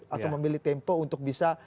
atau memilih tempo untuk bisa